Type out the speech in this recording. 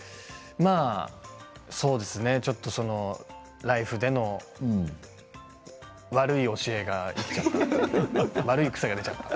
そうですね、ちょっと「ＬＩＦＥ！」での悪い教えが出ちゃった。